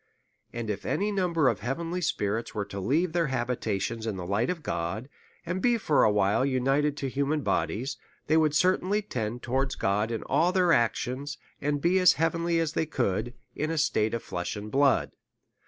And if any number of heavenly spirits were to leave their habita tions in the light of God, and be for a while united to human bodies, they would certainly tend towards God in all their actions, and be as heavenly as they could in a state of flesh and blood.